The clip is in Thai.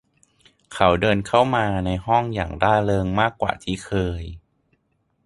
เขาเดินเข้ามาในห้องอย่างร่าเริงมากกว่าที่เคย